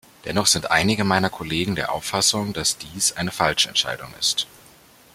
Dennoch sind einige meiner Kollegen der Auffassung, dass dies eine falsche Entscheidung ist.